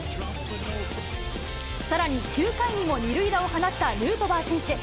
さらに、９回にも２塁打を放ったヌートバー選手。